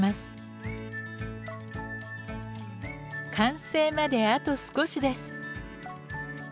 完成まであと少しです。